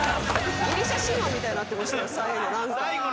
ギリシャ神話みたいになってましたよ最後。